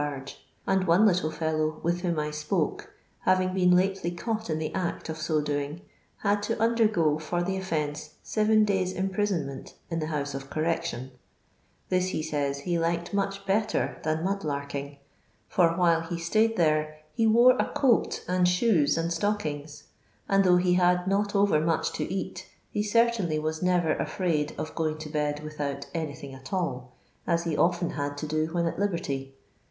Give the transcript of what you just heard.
vge, and one little fellow with whom I spoke. Laving been lately caught in the act of so doing, had t) undergo for the oifence seven days' imprisonment in the House of Correction : this, he says, he liked much better than mud: larking, for while he stiid there he wore a coat and shoes and stockings, and though he had not over much to eat, he certainly was never afraid of going to bed without anything at all — as he often had to do when at liberty.